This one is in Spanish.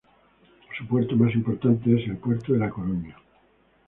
Su puerto más importante es el Puerto de La Coruña.